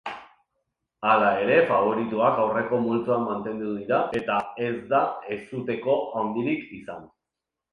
Hala ere faboritoak aurreko multzoan mantendu dira eta ez da ezuteko handirik izan.